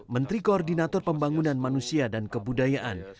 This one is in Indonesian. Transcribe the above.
menteri koordinator pembangunan manusia dan kebudayaan